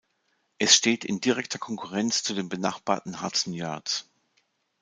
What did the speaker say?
Es steht in direkter Konkurrenz zu den benachbarten Hudson Yards.